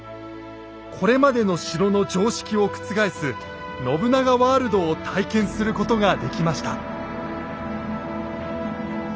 これまでの城の常識を覆す信長ワールドを体験することができました。